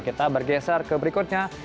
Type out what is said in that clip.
kita bergeser ke berikutnya